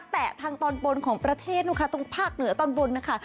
แต่ทางตอนบนของประเทศนะคะตรงภาคเหนือตอนบนนะคะ